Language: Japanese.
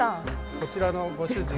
こちらのご主人が。